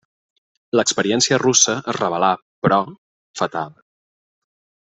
L'experiència russa es revelà, però, fatal.